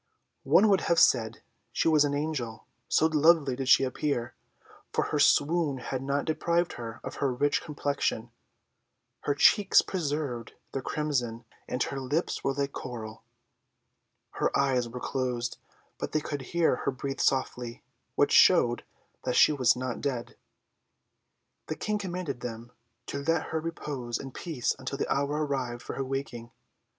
One would have said she was an angel, so lovely did she appear for her swoon had not deprived her of her rich complexion: her cheeks preserved their crimson, and her lips were like coral. Her eyes were closed, but they could hear her breathe softly, which showed that she was not dead. The King commanded them to let her repose in peace until the hour arrived for her waking.